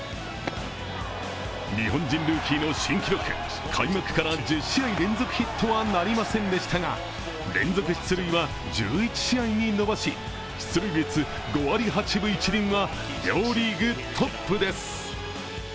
日本人ルーキーの新記録開幕から１０試合連続ヒットはなりませんでしたが、連続出塁は１１試合に伸ばし出塁率５割８分１厘は両リーグトップです。